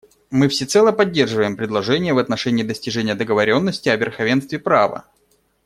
Мы всецело поддерживаем предложение в отношении достижения договоренности о верховенстве права.